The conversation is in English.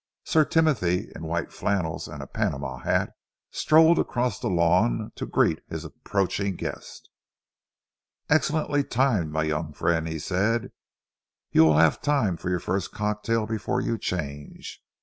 Sir Timothy, in white flannels and a panama hat, strolled across the lawn to greet his approaching guest. "Excellently timed, my young friend," he said. "You will have time for your first cocktail before you change.